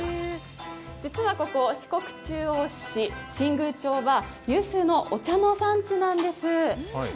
実はここ、四国中央市新宮町は有数のお茶の産地なんです。